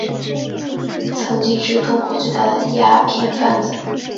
曾经是中国最大的鸦片贩子。